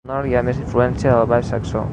Al nord hi ha més influència del baix saxó.